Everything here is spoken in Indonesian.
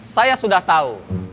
saya sudah tahu